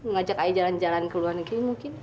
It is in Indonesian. ngajak aku jalan jalan ke luar negeri mungkin